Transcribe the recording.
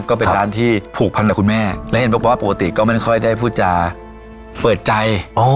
ก็เป็นร้านที่ผูกพันห์คุณแม่และเห็นเบาปกติก็ไม่ได้ค่อยได้พูดจ๋าเปิดใจอ๋อ